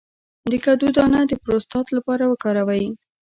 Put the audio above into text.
د کدو دانه د پروستات لپاره وکاروئ